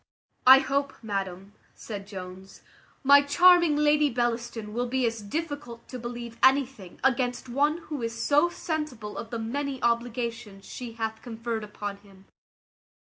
"I hope, madam," said Jones, "my charming Lady Bellaston will be as difficult to believe anything against one who is so sensible of the many obligations she hath conferred upon him."